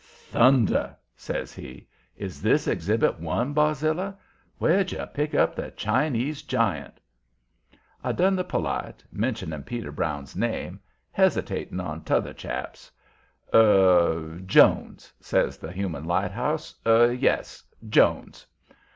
"Thunder!" says he. "Is this Exhibit One, Barzilla? Where'd you pick up the Chinese giant?" I done the polite, mentioning Brown's name, hesitating on t'other chap's. "Er Jones," says the human lighthouse. "Er yes; Jones."